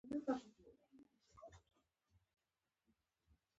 د پښتو ژبې د بډاینې لپاره پکار ده چې معنايي قواعد پیاوړې شي.